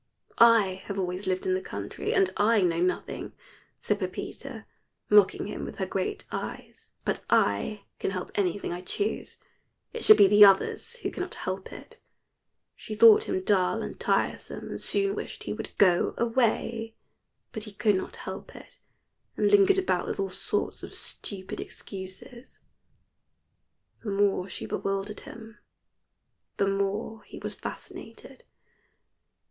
"I have always lived in the country and I know nothing," said Pepita, mocking him with her great eyes; "but I can help anything I choose. It should be the others who cannot help it." She thought him dull and tiresome, and soon wished he would go away, but he could not help it, and lingered about with all sorts of stupid excuses. The more she bewildered him, the more he was fascinated.